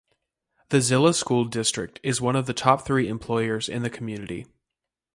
The Zillah School District is one of the top three employers in the community.